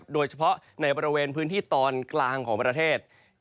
โดยเฉพาะในบริเวณพื้นที่ตอนกลางของประเทศ